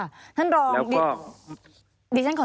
มีความรู้สึกว่ามีความรู้สึกว่า